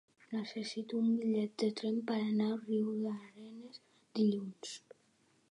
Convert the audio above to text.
Necessito un bitllet de tren per anar a Riudarenes dilluns.